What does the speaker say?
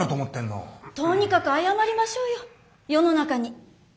とにかく謝りましょうよ世の中に。